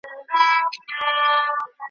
کي به ځي کاروان د اوښو `